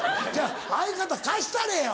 相方貸したれよ。